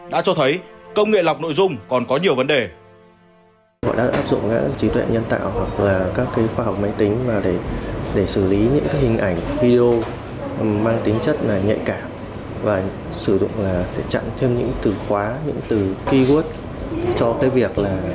đã cho thấy công nghệ lọc nội dung còn có nhiều vấn đề